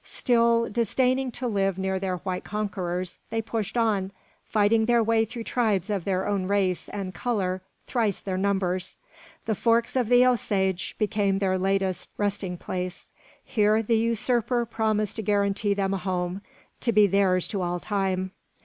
Still, disdaining to live near their white conquerors, they pushed on, fighting their way through tribes of their own race and colour thrice their numbers! The forks of the Osage became their latest resting place. Here the usurper promised to guarantee them a home, to be theirs to all time.